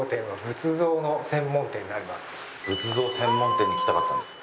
仏像専門店に来たかったんです。